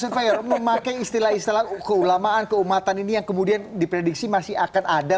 surveyor memakai istilah istilah keulamaan keumatan ini yang kemudian diprediksi masih akan ada